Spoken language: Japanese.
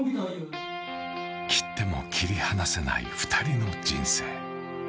切っても切り離せない２人の人生。